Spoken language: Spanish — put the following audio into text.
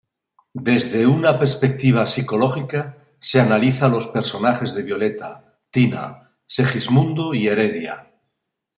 Desde una perspectiva psicológica se analiza los personajes de Violeta, Tina, Segismundo y Heredia.